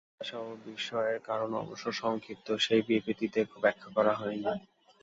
হতাশা এবং বিস্ময়ের কারণ অবশ্য সংক্ষিপ্ত সেই বিবৃতিতে ব্যাখ্যা করা হয়নি।